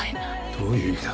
どういう意味だ？